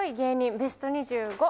ベスト２５。